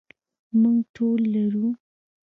موږ ټول لرو.